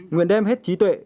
nguyện đem hết trí tuệ